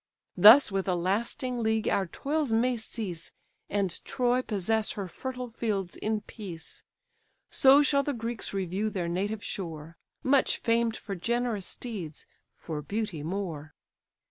Thus with a lasting league our toils may cease, And Troy possess her fertile fields in peace: So shall the Greeks review their native shore, Much famed for generous steeds, for beauty more."